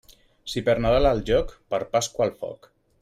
Si per Nadal al joc, per Pasqua al foc.